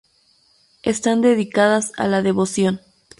Están dedicadas a la devoción.